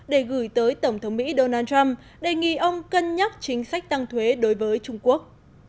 để gửi tới tổng thống mỹ donald trump đề nghị ông cân nhắc chính sách tăng thuế đối với trung quốc